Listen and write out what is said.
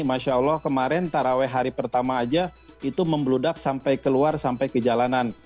masya allah kemarin taraweh hari pertama aja itu membludak sampai keluar sampai ke jalanan